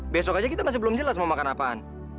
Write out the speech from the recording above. besok aja kita masih belum jelas mau makan apaan